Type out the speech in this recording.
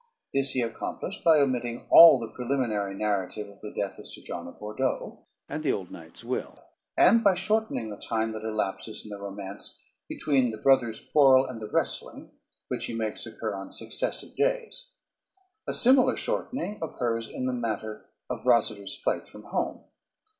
This he accomplished by omitting all the preliminary narrative of the death of Sir John of Bordeaux, and the old knight's will; and by shortening the time that elapses in the romance between the brother's quarrel and the wrestling, which he makes occur on successive days. A similar shortening occurs in the matter of Rosader's flight from home.